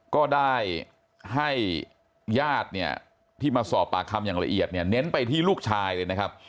ก็ได้ให้ญาติเนี่ยที่มาสอบปากคำอย่างละเอียดเนี่ยเน้นไปที่ลูกชายเลยนะครับ